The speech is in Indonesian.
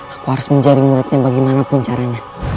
aku harus menjaring muridnya bagaimanapun caranya